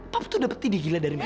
papa tuh udah berdiri gila dari mana